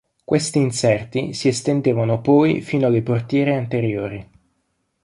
Questi inserti si estendevano poi fino alle portiere anteriori.